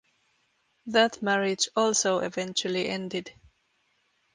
That marriage also eventually ended.